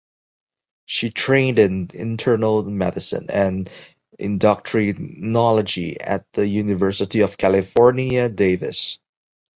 She trained in internal medicine and endocrinology at the University of California Davis.